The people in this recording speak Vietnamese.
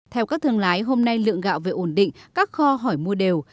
theo các thương lái hôm nay lượng gạo về ổn định các kho hỏi mua đều